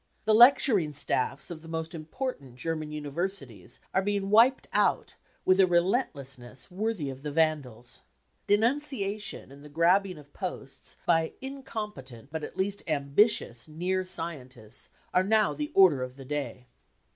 The lecturing staffs of the most important German universities are being wiped out with a relentlessness worthy of the Vandals. Denunciation and the grabbing of posts by incompetent but at least ambitious " near scientists 55 are now the order of the day.